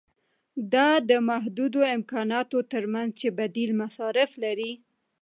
دا د محدودو امکاناتو ترمنځ چې بدیل مصارف لري.